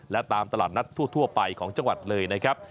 และตามตลาดนัดทั่วไปของจังหวัดเลยนะครับ